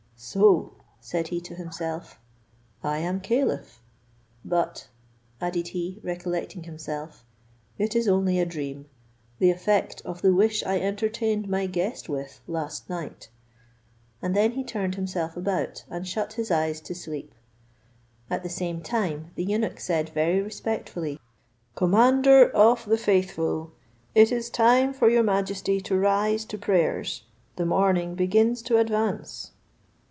"So," said he to himself, "I am caliph; but," added he, recollecting himself, "it is only a dream, the effect of the wish I entertained my guest with last night ;" and then he turned himself about and shut his eyes to sleep. At the same time the eunuch said very respectfully, "Commander of the faithful, it is time for your majesty to rise to prayers, the morning begins to advance."